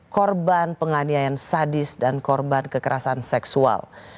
korban penganiayaan sadis dan korban kekerasan seksual